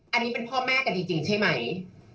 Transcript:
อันนี้เป็นพ่อแม่กันจริงใช่ไหม